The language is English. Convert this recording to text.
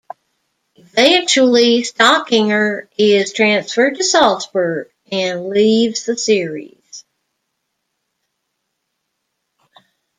Eventually, Stockinger is transferred to Salzburg and leaves the series.